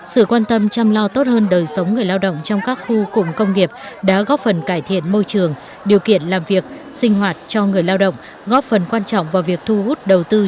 sự quan tâm chăm lo tốt hơn đời sống người lao động trong các khu cùng công nghiệp đã góp phần cải thiện môi trường điều kiện làm việc sinh hoạt cho người lao động góp phần quan trọng vào việc thu hút đầu tư trên địa bàn tỉnh hải dương